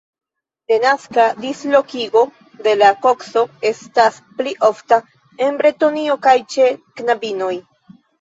Denaska dislokigo de la kokso estas pli ofta en Bretonio kaj ĉe knabinoj.